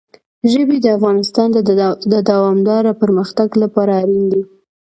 ژبې د افغانستان د دوامداره پرمختګ لپاره اړین دي.